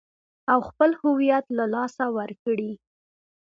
او خپل هويت له لاسه ور کړي .